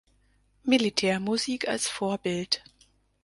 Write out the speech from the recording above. Militärmusik als Vorbild.